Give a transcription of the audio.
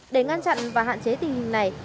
để ngăn chặn và hạn chế tình hình này